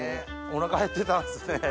おなかへってたんすね。